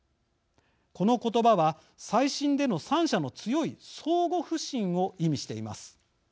この言葉は、再審での３者の強い相互不信を意味しています。